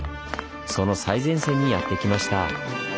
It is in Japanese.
その最前線にやって来ました。